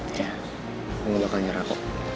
iya kamu bakal nyerah kok